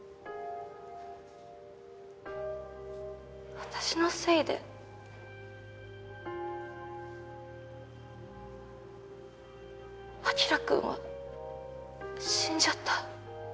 私のせいで晶くんは死んじゃった。